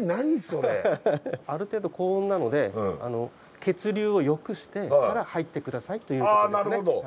何それある程度高温なので血流をよくしてから入ってくださいということですねああ